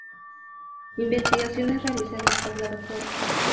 Investigaciones realizadas por la Dra.